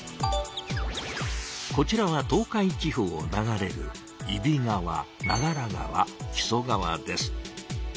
こちらは東海地方を流れる揖斐川長良川木曽川です。